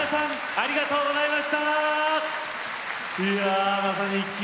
ありがとうございます。